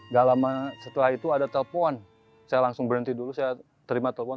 gak lama setelah itu ada telpon saya langsung berhenti dulu saya terima telepon